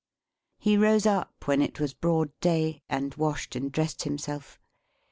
He rose up when it was broad day, and washed and dressed himself.